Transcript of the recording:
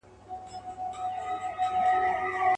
چي شرمېږي له سرونو بګړۍ ورو ورو.